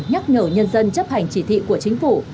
nhắc nhở nhân dân chấp hành chỉ thị của chính phủ